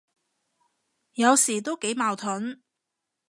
有時都幾矛盾，